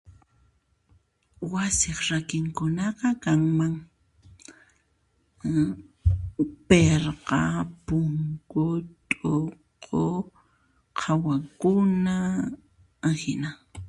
Wasiq rakinkunaqa kanman: Pirqa Punku, T'uqu qhawakuna ahina.